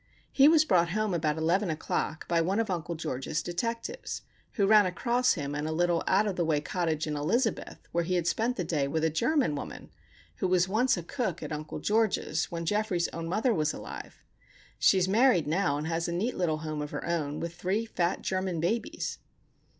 He was brought home about eleven o'clock by one of Uncle George's detectives, who ran across him in a little out of the way cottage in Elizabeth, where he had spent the day with a German woman, who was once a cook at Uncle George's when Geoffrey's own mother was alive. She is married now, and has a neat little home of her own, with three fat German babies.